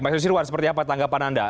mas nusirwan seperti apa tanggapan anda